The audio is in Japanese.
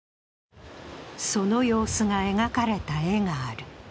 その様子が描かれた絵がある。